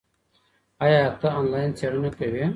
ایا ته آنلاین څېړنه کوې؟